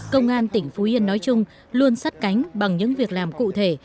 công an tỉnh phú yên nói chung luôn sắt cánh bằng những việc làm cụ thể